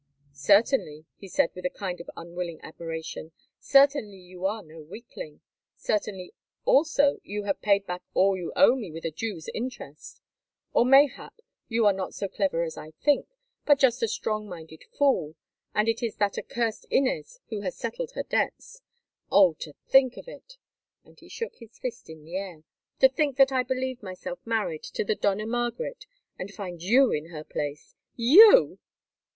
"Certainly," he said with a kind of unwilling admiration—"certainly you are no weakling. Certainly, also, you have paid back all you owe me with a Jew's interest. Or, mayhap, you are not so clever as I think, but just a strong minded fool, and it is that accursed Inez who has settled her debts. Oh! to think of it," and he shook his fist in the air, "to think that I believed myself married to the Dona Margaret, and find you in her place—you!"